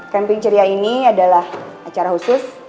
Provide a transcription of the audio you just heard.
camping ceria ini adalah acara khusus